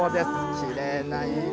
きれいな色。